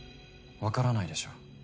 わからないでしょう？